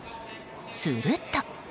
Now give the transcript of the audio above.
すると。